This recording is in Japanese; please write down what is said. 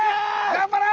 頑張れ！